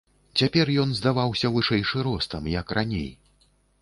Цяпер ён здаваўся вышэйшы ростам, як раней.